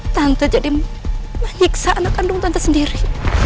tante jadi menghiksa anak kandung tante sendiri